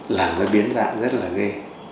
làm nó biến dạng rất là ghê